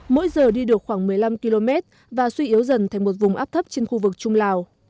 mỗi giờ đi được khoảng một mươi năm km và suy yếu dần thành một vùng áp thấp trên khu vực trung lào